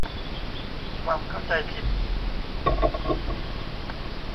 ความเข้าใจผิด